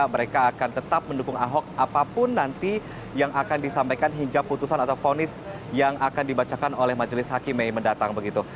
mereka akan tetap mendukung ahok apapun nanti yang akan disampaikan hingga putusan atau fonis yang akan dibacakan oleh majelis hakim mei mendatang begitu